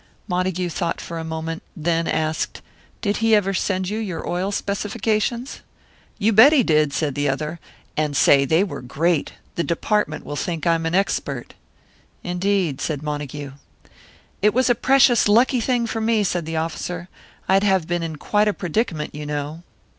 Montague thought for a moment, then asked, "Did he ever send you your oil specifications?" "You bet he did!" said the other. "And say, they were great! The Department will think I'm an expert." "Indeed," said Montague. "It was a precious lucky thing for me," said the officer. "I'd have been in quite a predicament, you know."